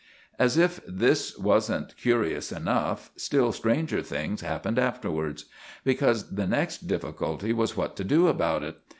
As if this wasn't curious enough, still stranger things happened afterwards. Because the next difficulty was what to do about it.